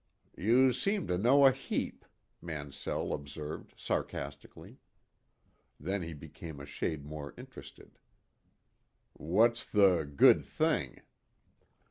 "You seem to know a heap," Mansell observed sarcastically. Then he became a shade more interested. "What's the 'good thing'?"